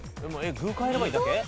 具変えればいいだけ？